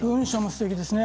すてきですね